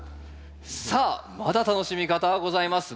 さあまだ楽しみ方はございます。